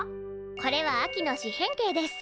これは秋の四辺形です。